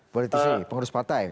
politik pengurus partai